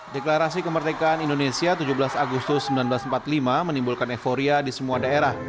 deklarasi kemerdekaan indonesia tujuh belas agustus seribu sembilan ratus empat puluh lima menimbulkan euforia di semua daerah